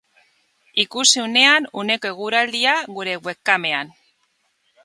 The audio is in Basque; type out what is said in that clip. Ikusi unean uneko eguraldia, gure webcamean.